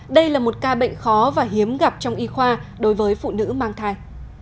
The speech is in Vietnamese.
đây là một ca bệnh khó và hiếm gặp trong y khoa đối với phụ nữ mang thai